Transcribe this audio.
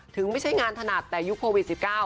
ถึงไม่ใช่งานถนัดแต่ยุคโปรวิทย์๑๙